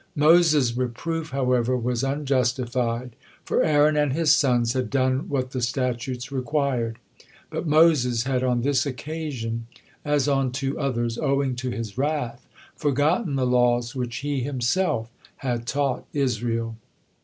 Moses' reproof, however, was unjustified, for Aaron and his sons had done what the statutes required, but Moses had on this occasion, as on two others, owing to his wrath, forgotten the laws which he himself had taught Israel.